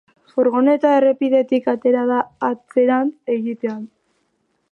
Furgoneta errepidetik atera da atzerantz egitean.